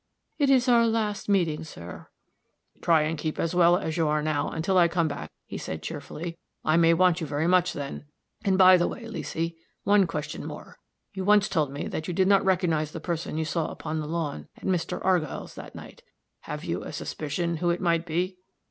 "It is our last meeting, sir." "Try to keep as well as you are now until I come back," he said, cheerfully. "I may want you very much then. And, by the way, Leesy one question more. You once told me that you did not recognize the person you saw upon the lawn, at Mr. Argyll's, that night have you a suspicion who it might be?"